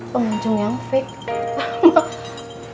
pengunjung yang fake